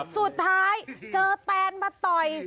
สุดท้ายเจอแตนมาต่อย